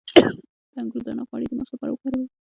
د انګور دانه غوړي د مخ لپاره وکاروئ